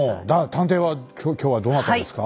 探偵は今日はどなたですか？